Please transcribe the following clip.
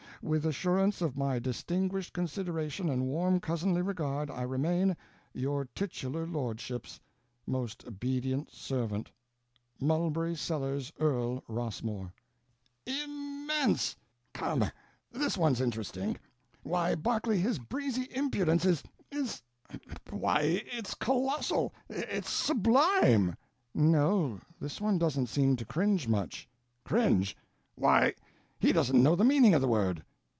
With assurance of my distinguished consideration and warm cousinly regard, I remain Your titular lordship's Most obedient servant, Mulberry Sellers Earl Rossmore. "Im mense! Come, this one's interesting. Why, Berkeley, his breezy impudence is—is—why, it's colossal, it's sublime." "No, this one doesn't seem to cringe much." "Cringe—why, he doesn't know the meaning of the word.